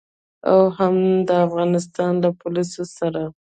او هم د افغانستان له پوليسو سره.